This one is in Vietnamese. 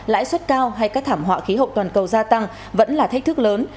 lãi suất cao hay các thảm họa khí hậu toàn cầu gia tăng vẫn là thách thức lớn